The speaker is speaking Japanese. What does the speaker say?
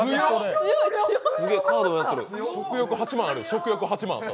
食欲８万ある！